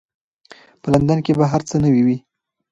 په لندن کې به هر څه نوي وي.